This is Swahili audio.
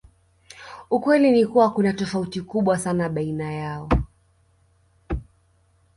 Ukweli ni kuwa kuna tofauti kubwa sana baina yao